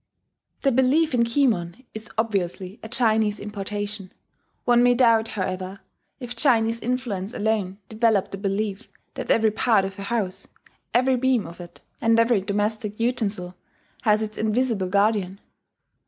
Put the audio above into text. The belief in the Ki Mon is obviously a Chinese importation. One may doubt, however, if Chinese influence alone developed the belief that every part of a house, every beam of it, and every domestic utensil has its invisible guardian.